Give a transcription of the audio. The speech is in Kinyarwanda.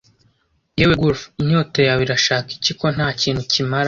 yewe gulf inyota yawe irashaka iki ko ntakintu kimara